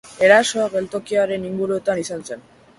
Erasoa geltokiaren inguruetan izan zen.